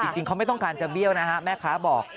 จริงเขาไม่ต้องการจะเบี้ยวนะฮะแม่ค้าบอก